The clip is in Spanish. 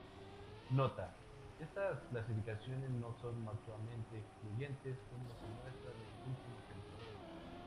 Nota: estas clasificaciones no son mutuamente excluyentes, como se muestra en el último ejemplo.